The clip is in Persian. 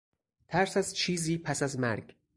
ترس از چیزی پس از مرگ